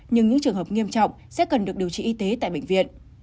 nhưng những trường hợp nghiêm trọng sẽ cần được điều trị y tế tại bệnh viện